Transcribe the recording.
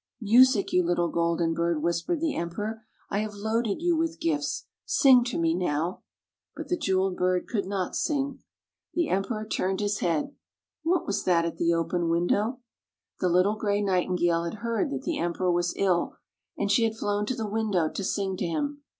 " Music, you little golden bird," whis pered the Emperor. " I have loaded you with gifts. Sing to me now." But the jeweled bird could not sing. [ 46 ] THE NIGHTINGALE The Emperor turned his head. What was that at the open window? The little gray Nightingale had heard that the Emperor was ill, and she had flown to the window to sing to him.